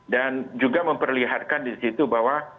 dan juga memperlihatkan di situ bahwa